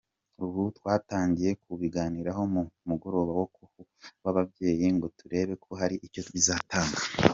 Ubu twatangiye kubiganiraho mu mugoroba w’ababyeyi ngo turebe ko hari icyo bizatanga.